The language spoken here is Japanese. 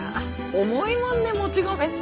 重いもんねもち米って。